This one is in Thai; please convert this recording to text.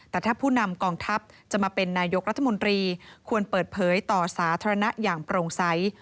แต่ถ้าผู้นำกองทัพจะมาเป็นนายกรัฐมนตรีควรเปิดเผยต่อสาธารณะอย่างโปร่งใส